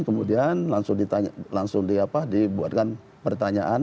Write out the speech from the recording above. kemudian langsung dibuatkan pertanyaan